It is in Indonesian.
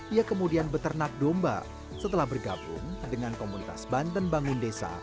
ia kemudian beternak domba setelah bergabung dengan komunitas banten bangun desa